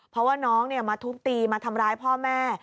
เพราะว่าน้องมาทุบตีมาทำร้ายพ่อแม่